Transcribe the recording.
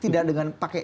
tidak dengan paketan